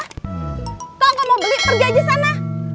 kalau kamu mau beli pergi aja sana